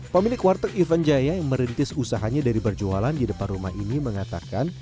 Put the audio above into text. pemilik warteg ivan jaya yang merintis usahanya dari berjualan di depan rumah ini mengatakan